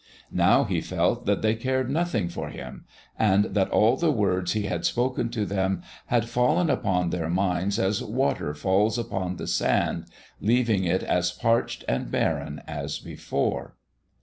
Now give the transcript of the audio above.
Now he felt that they cared nothing for him, and that all the words he had spoken to them had fallen upon their minds as water falls upon the sand, leaving it as parched and barren as before.